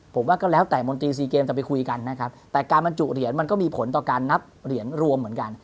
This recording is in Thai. ผมว่าก็แล้วแต่มนตรีซีเกมจะไปคุยกันนะครับแต่การบรรจุเหรียญมันก็มีผลต่อการนับเหรียญรวมเหมือนกัน